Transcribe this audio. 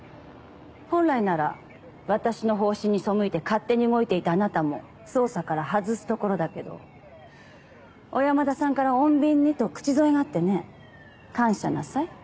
本来なら私の方針に背いて勝手に動いていたあなたも捜査から外すところだけど小山田さんから穏便にと口添えがあってね。感謝なさい。